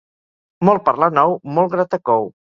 Molt parlar nou, molt gratar cou.